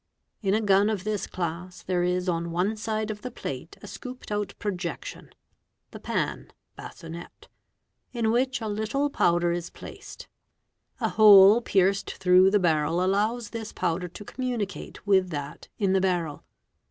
In a gun of this class there is on one side of the plate a scooped out projection (the pan, bassinet) in which a little powder is placed ; a hole pierced through the barrel allows this powder to communicate with that in the barrel.